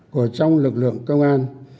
của trong lực lượng công an